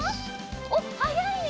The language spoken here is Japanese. おっはやいね！